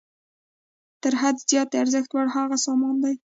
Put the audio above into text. تر حد زیات د ارزښت وړ هغه سامان دی